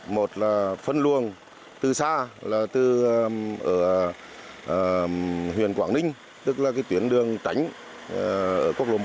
một là phân luồng từ xa là từ huyền quảng ninh tức là cái tuyến đường tránh ở quốc lộ một a